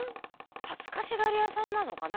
恥ずかしがり屋さんなのかな？